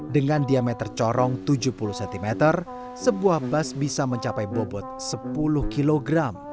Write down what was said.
dengan diameter corong tujuh puluh cm sebuah bas bisa mencapai bobot sepuluh kg